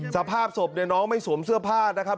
สภาพศพเนี่ยน้องไม่สวมเสื้อผ้านะครับ